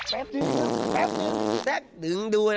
แป๊บดึงแป๊บดึงแป๊บดึงดึงดูแล้วนะ